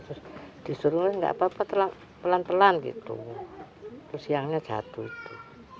terus disuruh nggak apa apa pelan pelan gitu terus siangnya jatuh itu